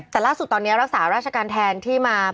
แต่ล่าสุดตอนนี้รักษาราชการแทนที่มา